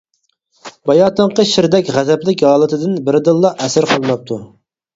باياتىنقى شىردەك غەزەپلىك ھالىتىدىن بىردىنلا ئەسەر قالماپتۇ.